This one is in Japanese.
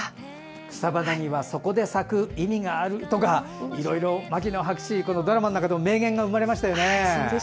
草花にはそこで咲く意義があるとかいろいろ、牧野博士ドラマの中でも名言が生まれましたね。